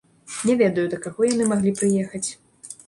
Не ведаю, да каго яны маглі прыехаць.